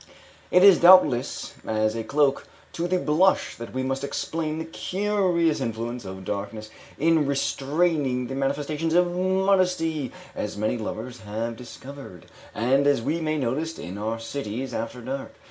It is doubtless as a cloak to the blush that we must explain the curious influence of darkness in restraining the manifestations of modesty, as many lovers have discovered, and as we may notice in our cities after dark.